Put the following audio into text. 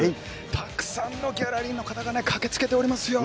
たくさんのギャラリーの方が駆けつけておりますよ。